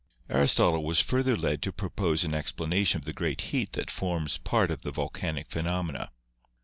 Aristotle was further led to propose an explanation of the great heat that forms part of the volcanic phenomena.